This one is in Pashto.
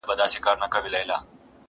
پرې کوي غاړي د خپلو اولادونو،